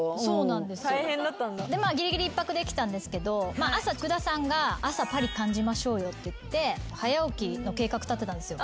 ギリギリ１泊できたんですけど福田さんが朝パリ感じましょうよって言って早起きの計画立てたんですよ。